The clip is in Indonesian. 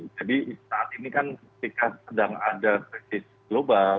saat ini kan ketika sedang ada krisis global